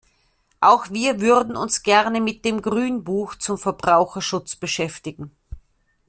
Auch wir würden uns gerne mit dem Grünbuch zum Verbraucherschutz beschäftigen.